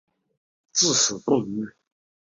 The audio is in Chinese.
李圭至死大骂不绝。